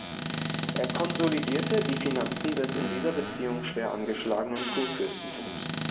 Er konsolidierte die Finanzen des in dieser Beziehung schwer angeschlagenen Kurfürstentums.